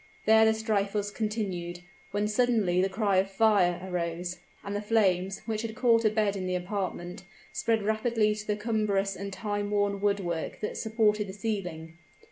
There the strife was continued, when suddenly the cry of "Fire" arose, and the flames, which had caught a bed in the apartment, spread rapidly to the cumbrous and time worn woodwork that supported the ceiling.